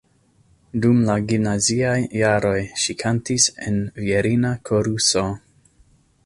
Dum la gimnaziaj jaroj ŝi kantis en virina koruso.